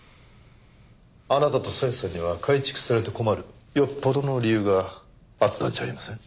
あなたと小枝さんには改築されて困るよっぽどの理由があったんじゃありません？